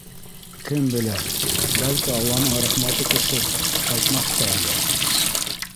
Кем белә, бәлки, алланың рәхмәте төшөп, ҡайтмаҫ та әле.